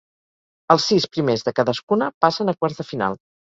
Els sis primers de cadascuna passen a quarts de final.